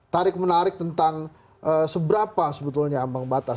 tarik menarik tentang seberapa sebetulnya ambang batas